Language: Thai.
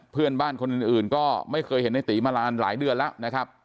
เพื่อนบ้านคนอื่นไม่เคยเห็นไม่ในตีมาหลายเดือนแล้ว